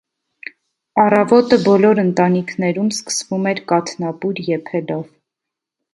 Առավոտը բոլոր ընտանիքներում սկսվում էր կաթնապուր եփելով։